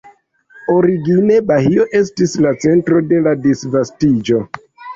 Origine Bahio estis la centro de la disvastiĝo.